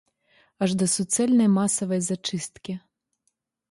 Аж да суцэльнай масавай зачысткі.